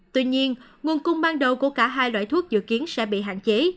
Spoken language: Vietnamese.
tuy nhiên nguồn cung ban đầu của cả hai loại thuốc dự kiến sẽ bị hạn chế